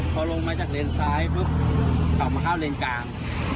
พอลงมาจากเลนซ้ายปุ๊บขับมาเข้าเลนกลาง